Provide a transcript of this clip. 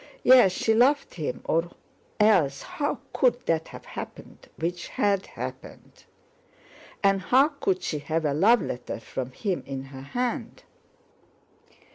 Yes, she loved him, or else how could that have happened which had happened? And how could she have a love letter from him in her hand?